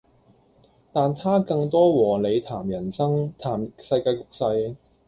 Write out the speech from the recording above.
但他更多和你談人生、談世界局勢